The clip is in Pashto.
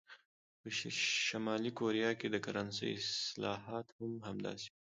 په شلي کوریا کې د کرنسۍ اصلاحات هم همداسې وو.